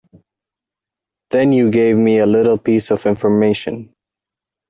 Then you gave me a little piece of information.